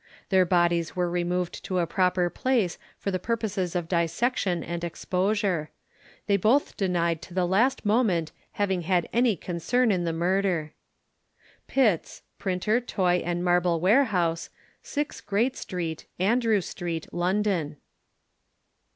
Their bodies were removed to a proper place for the purposes of dissection and exposure. They both denied to the last moment having had any concern in the murder. Pitts, Printer, Toy and Marble Warehouse, 6, Great St. Andrew Street, London.